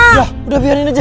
udah udah biarin aja